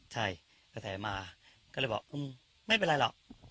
ใช่กระแสมาก็เลยบอกไม่เป็นไรหรอก